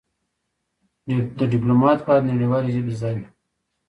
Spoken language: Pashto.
د ډيپلومات بايد نړېوالې ژبې زده وي.